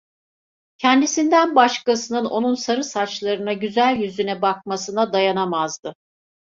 Kendisinden başkasının onun sarı saçlarına, güzel yüzüne bakmasına dayanamazdı…